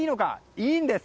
いいんです！